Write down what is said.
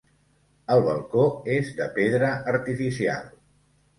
El balcó és de pedra artificial.